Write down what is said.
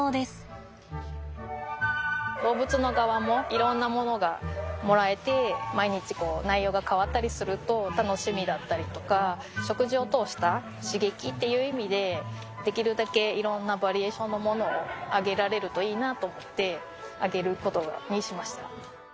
動物の側もいろんなものがもらえて食事を通した刺激っていう意味でできるだけいろんなバリエーションのものをあげられるといいなと思ってあげることにしました。